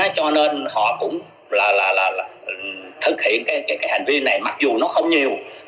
cho nên họ cũng là thực hiện cái hành vi này mặc dù nó không nhiều